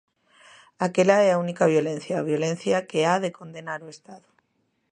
Aquela é a única violencia, a violencia que ha de condenar o estado.